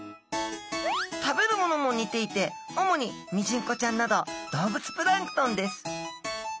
食べるものも似ていて主にミジンコちゃんなど動物プランクトンです。